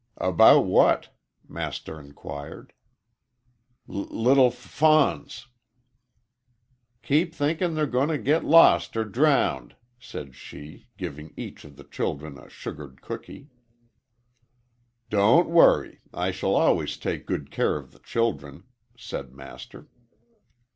"About what?" Master inquired. "L little f fawns." "Keep thinkin' they're goin' to git lost or drownded," said she, giving each of the children a sugared cooky. "Don't worry. I shall always take good care of the children," said Master.